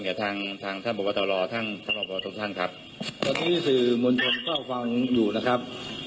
แค่ทางทางท่านบับประตาลอาที่โบประทงท่านครับตะกี้สื่อมวลชนเข้าฟังอยู่นะครับ